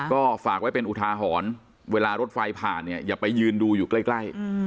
ก็ฝากไว้เป็นอุทาหรณ์เวลารถไฟผ่านเนี่ยอย่าไปยืนดูอยู่ใกล้